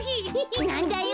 なんだよ。